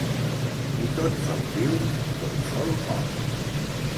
Qui tot sol viu, tot sol mor.